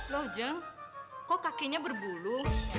loh jeng kok kakinya bergulung